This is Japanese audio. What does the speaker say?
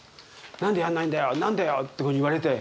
「何でやんないんだよ何だよ！」っていうふうに言われて？